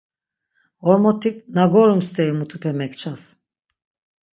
Ğormotik na gorum steri mutupe mekças